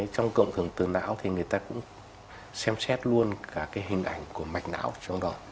trong cộng hưởng từ não thì người ta cũng xem xét luôn cả cái hình ảnh